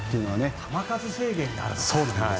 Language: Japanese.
球数制限があるのか。